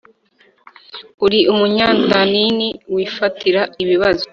uri umunyandanini wifatira ibibazo